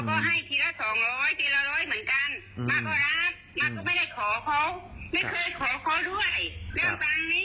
แปลการณ์นี้มาแล้วกัน